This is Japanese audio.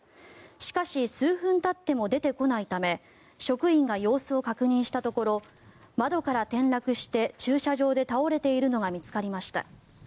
しかし数分たっても出てこないため職員が様子を確認したところ窓から転落して駐車場で倒れているのが見つかりました。